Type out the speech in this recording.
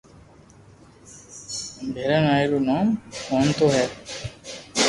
ڀارا بائي رو نوم موننو ھي